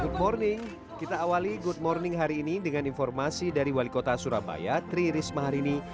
good morning kita awali good morning hari ini dengan informasi dari wali kota surabaya tri risma hari ini